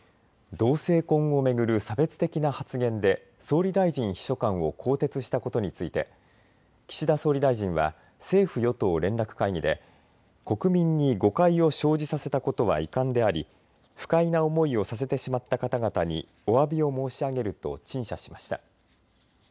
同性婚を巡る差別的な発言で総理大臣秘書官を更迭したことについて岸田総理大臣は政府与党連絡会議で国民に誤解を生じさせたことは遺憾であり不快な思いをさせてしまった方々におわびを申し上げると陳謝しました。